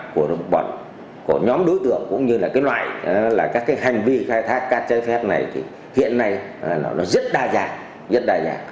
các đối tượng cũng như các loài hành vi khai thác cát trái phép này hiện nay rất đa dạng